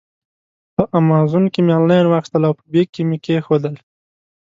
په امازان کې مې آنلاین واخیستل او په بیک کې مې کېښودل.